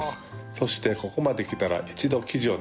そしてここまできたら一度生地を寝かせます。